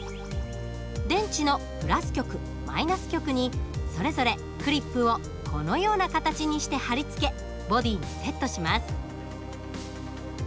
電池のプラス極マイナス極にそれぞれクリップをこのような形にして貼り付けボディにセットします。